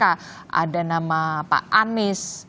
ada nama pak anies